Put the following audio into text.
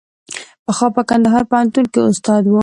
پخوا په کندهار پوهنتون کې استاد و.